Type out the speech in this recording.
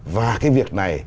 và cái việc này